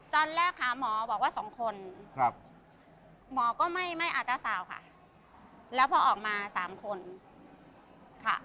ตอนแรกหาหมอบอกว่าสองคนครับหมอก็ไม่ไม่อาต้าสาวค่ะแล้วพอออกมาสามคนค่ะ